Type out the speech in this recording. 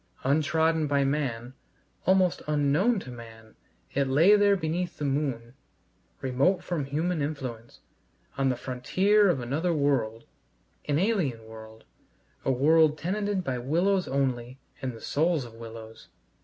Untrodden by man, almost unknown to man, it lay there beneath the moon, remote from human influence, on the frontier of another world, an alien world, a world tenanted by willows only and the souls of willows.